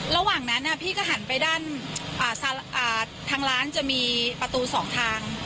ระหว่างนั้นพี่ก็หันไปด้านทางร้านจะมีประตูสองทาง